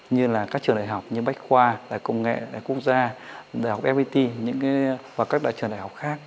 như là các trường đại học như bách khoa đại công nghệ đại quốc gia đại học fpt và các trường đại học khác